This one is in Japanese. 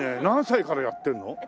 何歳からやってるの？